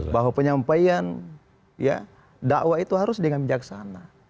bahwa penyampaian dakwah itu harus dengan bijaksana